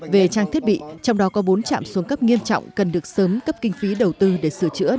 về trang thiết bị trong đó có bốn trạm xuống cấp nghiêm trọng cần được sớm cấp kinh phí đầu tư để sửa chữa